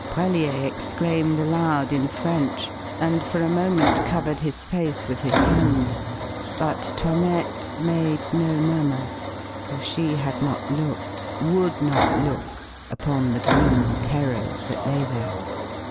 Brellier exclaimed aloud in French, and for a moment covered his face with his hands; but 'Toinette made no murmur. For she had not looked, would not look upon the grim terrors that lay there.